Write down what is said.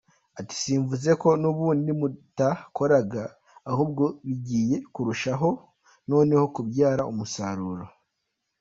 Ati “Simvuze ko n’ubundi mutakoraga, ahubwo bigiye kurushaho noneho kubyara umusaruro.